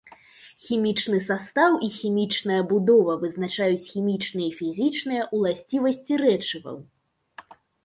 Хімічны састаў і хімічная будова вызначаюць хімічныя і фізічныя ўласцівасці рэчываў.